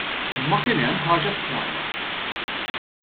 Imma kien hemm ħaġa stramba.